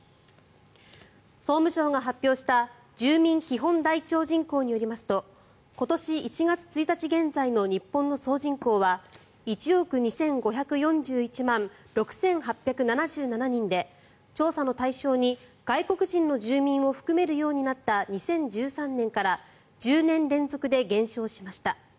総務省が発表した住民基本台帳人口によりますと今年１月１日現在の日本の総人口は１億２５４１万６８７７人で調査の対象に外国人の住民を含めるようになった２０１３年から１０年連続で減少しました。